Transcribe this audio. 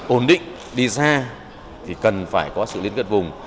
ổn định đi xa thì cần phải có sự liên kết vùng